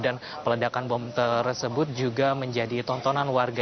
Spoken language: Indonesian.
dan peledakan bom tersebut juga menjadi tontonan warga